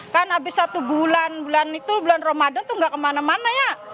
kan habis satu bulan bulan itu bulan ramadan tuh gak kemana mana ya